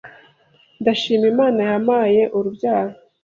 Ndashima Imana yampaye urubyaro